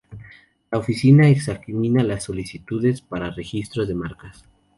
La Oficina examina las solicitudes para registros de marcas.